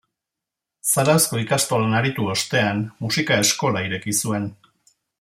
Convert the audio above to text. Zarauzko ikastolan aritu ostean musika eskola ireki zuen.